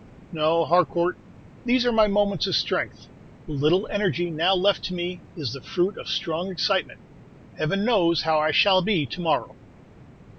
"No, Harcourt; these are my moments of strength. The little energy now left to me is the fruit of strong excitement. Heaven knows how I shall be to morrow."